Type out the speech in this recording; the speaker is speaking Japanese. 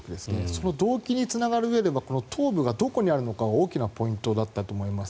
その動機につながるうえでは頭部がどこにあるのかは大きなポイントだったと思います。